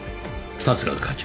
さすが課長。